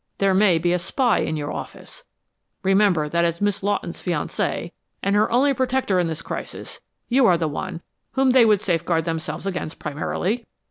There may be a spy in your office remember that as Miss Lawton's fiancé and her only protector in this crisis, you are the one whom they would safeguard themselves against primarily.